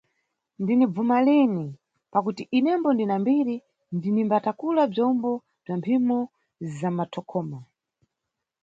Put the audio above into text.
"ndinibvuma lini" pakuti inembo ndina mbiri, ndinimbatakula bzombo bza mphimo za mathokhoma.